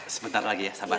sebentar lagi ya sabar